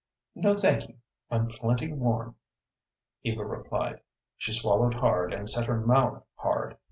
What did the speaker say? "No, thank you; I'm plenty warm," Eva replied. She swallowed hard, and set her mouth hard.